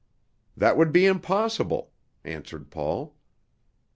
"That would be impossible," answered Paul.